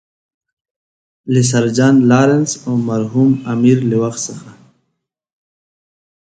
له سر جان لارنس او د مرحوم امیر له وخت څخه.